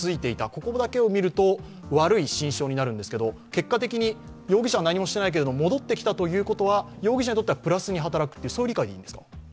ここだけを見ると悪い心証になるんですが、結果的に容疑者は何もしてないけど戻ってきたということは容疑者にとってはプラスに働くという理解でいいんですか。